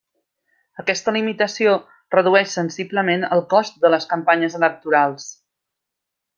Aquesta limitació redueix sensiblement el cost de les campanyes electorals.